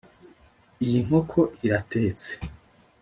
Iyi nkoko iratetse